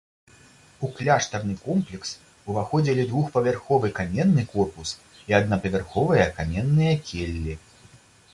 У кляштарны комплекс уваходзілі двухпавярховы каменны корпус і аднапавярховыя каменныя келлі.